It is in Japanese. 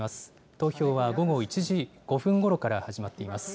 投票は午後１時５分ごろから始まっています。